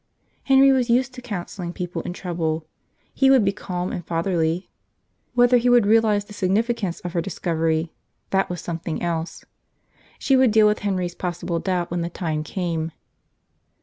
Henry was used to counseling people in trouble, he would be calm and fatherly. Whether he would realize the significance of her discovery, that was something else. She would deal with Henry's possible doubt when the time came.